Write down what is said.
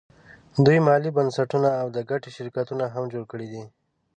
دوی مالي بنسټونه او د ګټې شرکتونه هم جوړ کړي دي